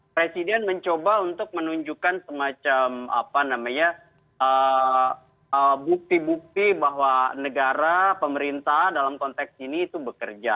presiden mencoba untuk menunjukkan semacam bukti bukti bahwa negara pemerintah dalam konteks ini itu bekerja